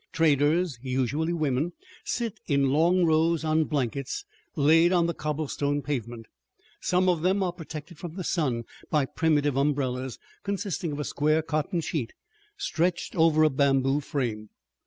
Traders, usually women, sit in long rows on blankets laid on the cobblestone pavement. Some of them are protected from the sun by primitive umbrellas, consisting of a square cotton sheet stretched over a bamboo frame.